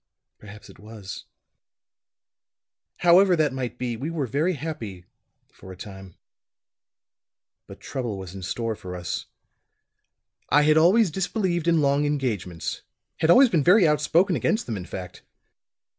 Perhaps it was! "However that might be, we were very happy for a time. But trouble was in store for us. I had always disbelieved in long engagements, had always been very outspoken against them, in fact.